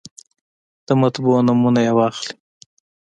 د مطبعو نومونه یې واخلئ.